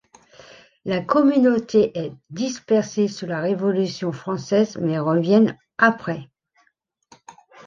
La communauté est dispersée sous la Révolution française mais reviennent après.